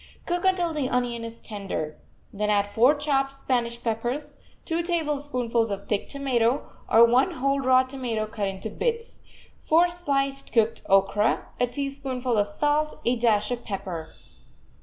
Cook until the onion is tender. Then add four chopped Spanish peppers, two tablespoonfuls of thick tomato, or one whole raw tomato cut into bits, four sliced cooked okra, a teaspoonful of salt, a dash of pepper.